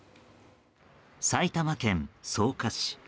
埼玉県草加市。